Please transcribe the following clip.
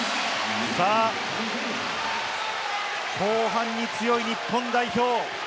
後半に強い日本代表。